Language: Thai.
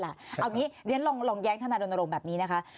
เอาอย่างนี้ลองแย้งธนาดนรมแบบนี้นะคะ